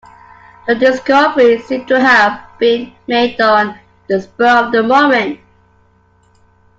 The discovery seemed to have been made on the spur of the moment.